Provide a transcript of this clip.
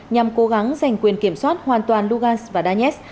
nhằm cố gắng giành quyền kiểm soát hoàn toàn lugansk và donetsk